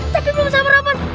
tapi belum samar samar